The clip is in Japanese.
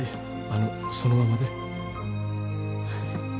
あのそのままで。